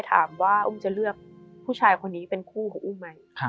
ถามว่าอุ้มจะเลือกผู้ชายคนนี้เป็นคู่ของอุ้มไหม